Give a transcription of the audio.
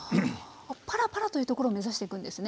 パラパラというところを目指してくんですね。